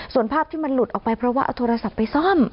ส่วนภาพที่มันหลุดออกไปเพราะว่าเอาโทรศัพท์ไปซ่อม